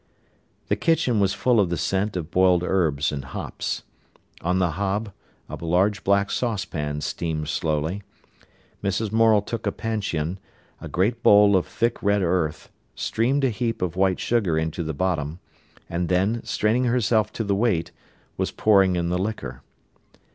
The kitchen was full of the scent of boiled herbs and hops. On the hob a large black saucepan steamed slowly. Mrs. Morel took a panchion, a great bowl of thick red earth, streamed a heap of white sugar into the bottom, and then, straining herself to the weight, was pouring in the liquor.